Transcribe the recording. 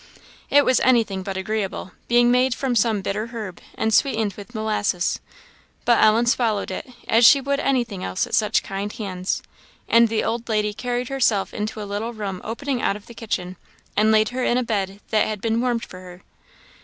It was anything but agreeable, being made from some bitter herb, and sweetened with molasses; but Ellen swallowed it, as she would anything else at such kind hands, and the old lady carried her herself into a little room opening out of the kitchen, and laid her in a bed that had been warmed for her.